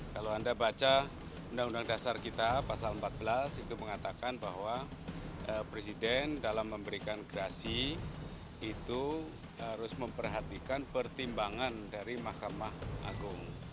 kalau anda baca undang undang dasar kita pasal empat belas itu mengatakan bahwa presiden dalam memberikan gerasi itu harus memperhatikan pertimbangan dari mahkamah agung